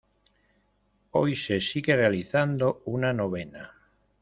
Hoy se sigue realizando una Novena.